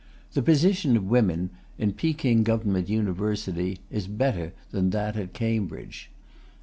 The position of women in Peking Government University is better than at Cambridge.